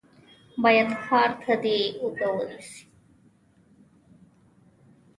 بايد کار ته دې اوږه ونيسې.